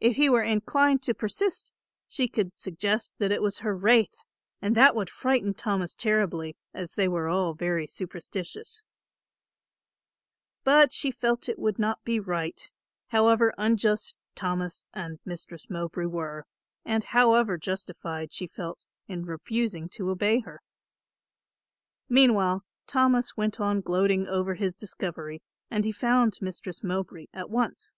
If he were inclined to persist she could suggest that it was her wraith; and that would frighten Thomas terribly, as they were all very superstitious. The ghost of a living person. But she felt it would not be right, however unjust Thomas and Mistress Mowbray were, and however justified she felt in refusing to obey her. Meanwhile Thomas went on gloating over his discovery, and he found Mistress Mowbray at once.